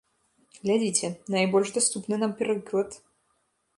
Глядзіце, найбольш даступны нам прыклад.